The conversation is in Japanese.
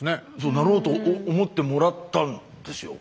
なろうと思ってもらったんですよ。